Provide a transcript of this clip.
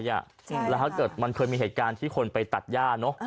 แล้วถ้าเกิดมันเคยมีเหตุการณ์ที่คนไปตัดย่าเนอะ